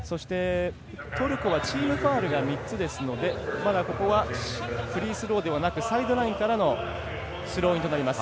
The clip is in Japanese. トルコはチームファウルが３つですのでまだここはフリースローではなくサイドラインからのスローインとなります。